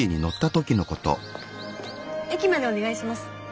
駅までお願いします。